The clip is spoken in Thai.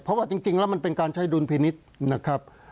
เพราะว่าจริงแล้วมันเป็นการใช้ดุลพินิษฐ์นะครับ